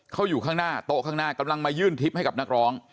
เขาอยู่ข้างหน้าโต๊ะข้างหน้ากำลังมายื่นทริปให้กับนักร้อง